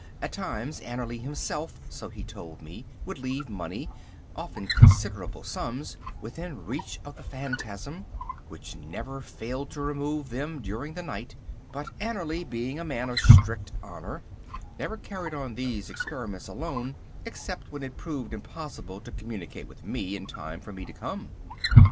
At times Annerly himself, so he told me, would leave money, often considerable sums, within reach of the phantasm, which never failed to remove them during the night. But Annerly, being a man of strict honour, never carried on these experiments alone except when it proved impossible to communicate with me in time for me to come.